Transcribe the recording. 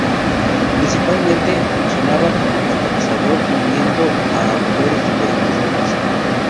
Principalmente, funcionaba como catalizador uniendo a autores diferentes entre sí.